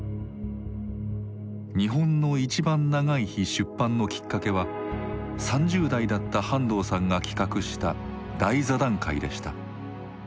出版のきっかけは３０代だった半藤さんが企画した大座談会でした。